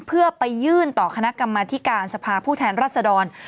เพื่อไปยื่นต่อคณะกรรมธิการสภาผู้แทนรัศดร